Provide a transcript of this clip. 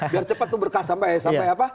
biar cepat tuh berkas sampai